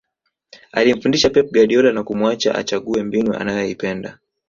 alimfundisha pep guardiola na kumuacha achague mbinu anayoipenda